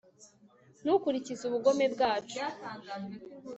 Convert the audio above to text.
ntukurikize ubugome bwacu